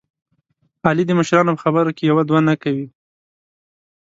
علي د مشرانو په خبره کې یوه دوه نه کوي.